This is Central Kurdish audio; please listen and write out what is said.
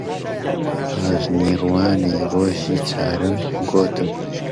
پاش نیوەڕۆی ڕۆژی چوارەم گوتم: